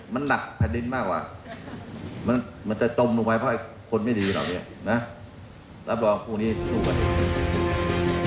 มันจะจมลงไปเพราะคนไม่ดีเหรอเนี่ยนะรับรองพวกนี้สู้กัน